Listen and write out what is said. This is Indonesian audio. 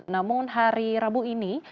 namun hari rabu ini